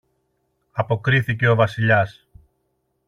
αποκρίθηκε ο Βασιλιάς.